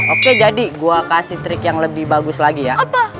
oke jadi gue kasih trik yang lebih bagus lagi ya